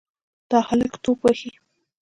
دا هلک توپ وهي.